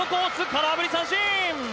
空振り三振！